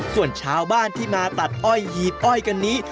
ส่วนชาวบ้านที่มาตัดอ้อยหีบอ้อยกันนี้